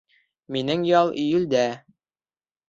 Минең ял июлдә